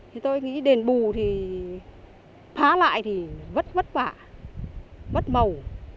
thì tôi nghĩ đền bù thì phá lại thì vất vất vả mất màu